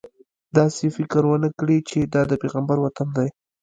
داسې فکر ونه کړې چې دا د پیغمبر وطن دی.